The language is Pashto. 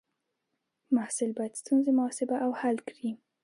محصل باید ستونزې محاسبه او حل کړي.